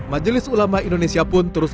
majelis ulama indonesia pun terus